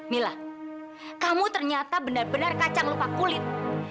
mila kamu ternyata benar benar kacang lupa kulit